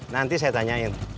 nanti saya tanyain